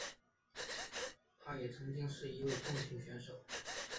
他也曾经是一位棒球选手。